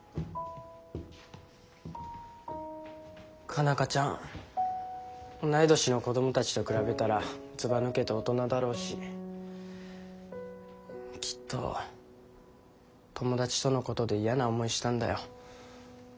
佳奈花ちゃん同い年の子どもたちと比べたらずばぬけて大人だろうしきっと友達とのことで嫌な思いしたんだよ。